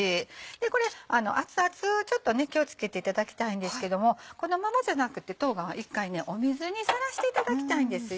これ熱々をちょっと気を付けていただきたいんですけどもこのままじゃなくて冬瓜は一回水にさらしていただきたいんですよ。